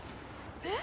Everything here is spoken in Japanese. えっ？